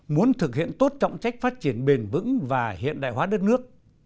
muốn thực hiện tốt trọng trách phát triển bền vững và hiện đại hóa đất nước